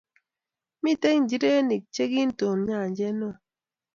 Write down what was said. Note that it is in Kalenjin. mito nchirenik che kinton nyanjet neoo